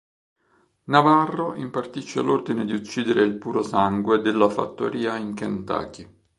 Navarro impartisce l'ordine di uccidere il purosangue della fattoria in Kentucky.